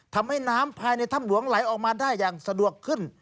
ทำให้น้ำภายในถ้ำหลวงไหลออกมาได้อย่างสะดวกขึ้น